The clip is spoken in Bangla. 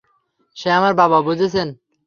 সে আমার বাবা, বুঝেছেন?